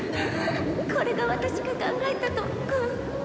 これが私が考えた特訓。